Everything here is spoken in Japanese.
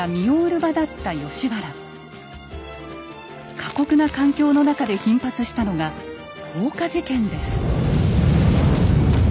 過酷な環境の中で頻発したのが火事だ！